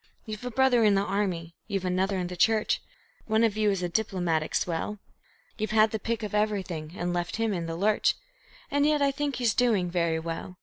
You've a brother in the army, you've another in the Church; One of you is a diplomatic swell; You've had the pick of everything and left him in the lurch, And yet I think he's doing very well.